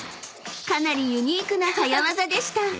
［かなりユニークな早業でした］